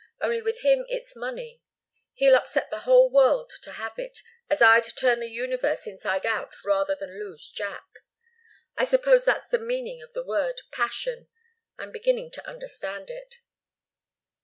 Only with him it's money. He'll upset the whole world to have it, as I'd turn the universe inside out rather than lose Jack. I suppose that's the meaning of the word passion I'm beginning to understand it."